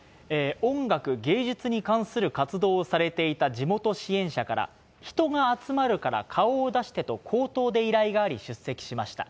音楽、芸術に関する活動をされていた地元支援者から、人が集まるから顔を出してと口頭で依頼があり、出席しました。